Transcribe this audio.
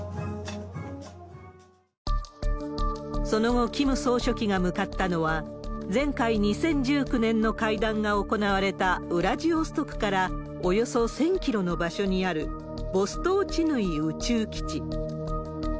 その後、キム総書記が向かったのは、前回２０１９年の会談が行われたウラジオストクからおよそ１０００キロの場所にある、ボストーチヌイ宇宙基地。